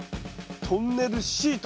トンネルシート。